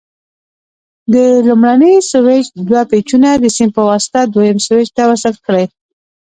د لومړني سویچ دوه پېچونه د سیم په واسطه دویم سویچ ته وصل کړئ.